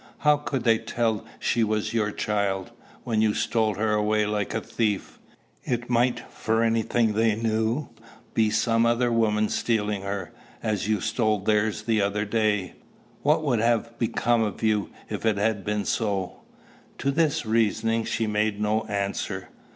"How could they tell she was your child, when you stole her away like a thief? It might, for any thing they knew, be some other woman stealing her, as you stole theirs the other day? What would have become of you if it had been so?" To this reasoning she made no answer.